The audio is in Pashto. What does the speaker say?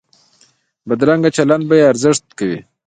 بدرنګه چلند بې ارزښته کوي